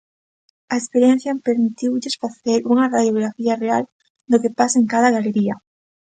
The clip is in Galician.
A experiencia permitiulles facer unha radiografía real do que pasa en cada galería.